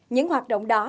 những hoạt động đó